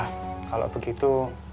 ah kalau begitu